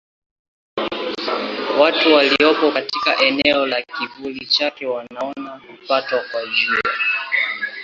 Watu waliopo katika eneo la kivuli chake wanaona kupatwa kwa Jua.